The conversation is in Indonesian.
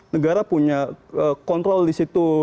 negara punya kontrol di situ